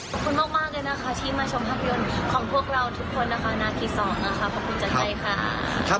ขอบคุณมากเลยนะคะที่มาชมภาพยนตร์ของพวกเราทุกคนนะคะนาที๒นะคะขอบคุณจากใจค่ะ